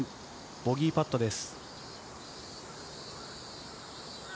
ボギーパットです。